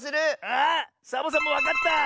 あサボさんもわかった！